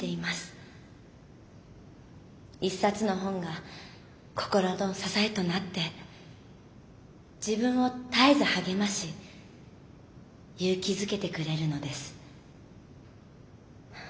一冊の本が心の支えとなって自分を絶えず励まし勇気づけてくれるのです。